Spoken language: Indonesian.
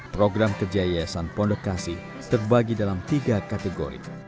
program kerja yayasan pondok kasih terbagi dalam tiga kategori